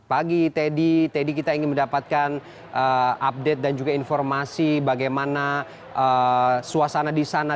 pagi teddy teddy kita ingin mendapatkan update dan juga informasi bagaimana suasana di sana